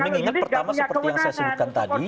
ini ingat pertama seperti yang saya sebutkan tadi